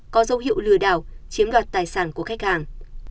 có dấu hiệu lừa đảo chiếm đoạt tài sản của khách hàng